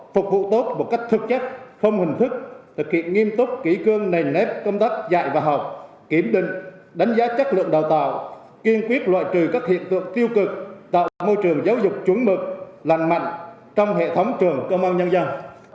phục vụ tốt một cách thực chất không hình thức thực hiện nghiêm túc kỹ cương nền nếp công tác dạy và học kiểm định đánh giá chất lượng đào tạo kiên quyết loại trừ các hiện tượng tiêu cực tạo môi trường giáo dục chuẩn mực lành mạnh trong hệ thống trường công an nhân dân